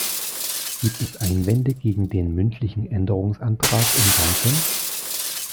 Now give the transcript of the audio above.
Gibt es Einwände gegen den mündlichen Änderungsantrag im Ganzen?